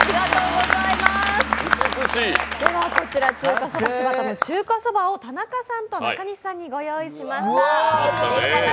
こちら、中華そばしば田の中華そばを田中さんと中西さんにご用意しました。